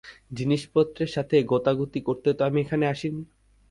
জিনিসপত্রের সাথে গোতাগোতি করতে তো আমি আসিনি।